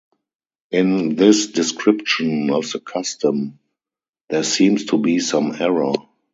In this description of the custom there seems to be some error.